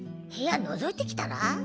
部屋のぞいてきたら？